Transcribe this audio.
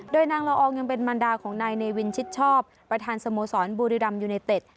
โดยนางละอองยังเป็นมันดาของนายเนวินชิดชอบประธานสโมสรบุรีรัมยูไนเต็ด